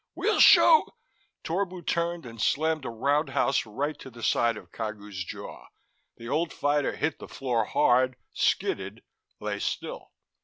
"We'll show " Torbu turned and slammed a roundhouse right to the side of Cagu's jaw; the old fighter hit the floor hard, skidded, lay still.